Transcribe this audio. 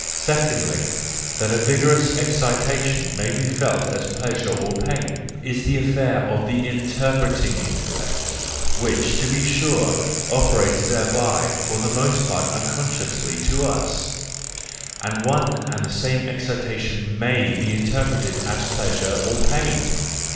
Secondly, that a vigorous excitation may be felt as pleasure or pain, is the affair of the interpreting intellect, which, to be sure, operates thereby for the most part unconsciously to us, and one and the same excita¬ tion may be interpreted as pleasure or pain.